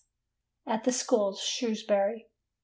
at the Schools, Shrewsbury.